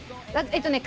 えっとね